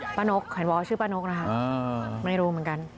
ป้านกหรอป้านกเห็นบอกว่าชื่อป้านกนะครับไม่รู้เหมือนกัน